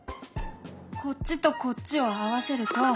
こっちとこっちを合わせると。